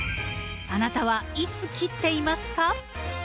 あなたはいつ切っていますか？